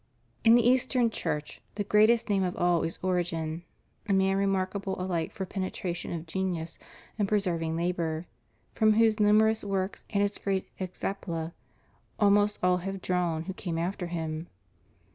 In the Eastern Church the greatest name of all is Origen — a man remarkable alike for penetration of genius and persevering labor; from whose numerous works and his great Hexapla almost all have drawn who came after him.